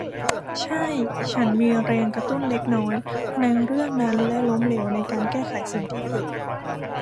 ใช่ฉันมีแรงกระตุ้นเล็กน้อยในเรื่องนั้นและล้มเหลวในการแก้ไขสิ่งที่ผิด